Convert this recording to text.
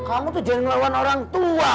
kamu tuh jangan melawan orang tua